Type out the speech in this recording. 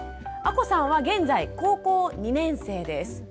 亜子さんは現在高校２年生です。